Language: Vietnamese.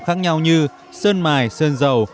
khác nhau như sơn mài sơn dầu